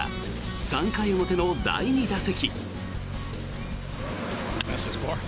３回表の第２打席。